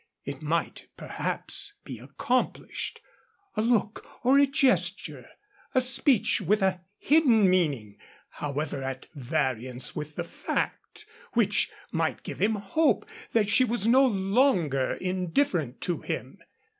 It might, perhaps, be accomplished; a look or a gesture, a speech with a hidden meaning (however at variance with the fact) which might give him hope that she was no longer indifferent to him.